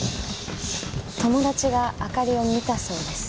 友達があかりを見たそうです。